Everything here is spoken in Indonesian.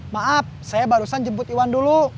maaf saya barusan jemput iwan dulu